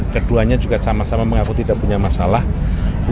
keduanya juga sama sama mengaku tidak punya masalah